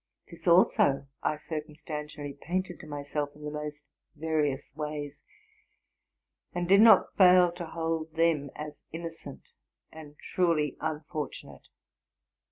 This also I circumstantially painted to myself in the most various ways, and did not fail to hold them as innocent and truly unfortunate.